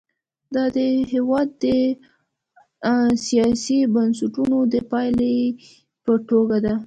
دا د دې هېواد د سیاسي بنسټونو د پایلې په توګه دي.